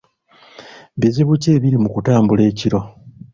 Bizibu ki ebiri mu kutambula ekiro?